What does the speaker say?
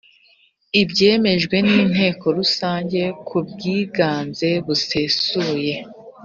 byemejwe n inteko rusange ku bwiganze busesuye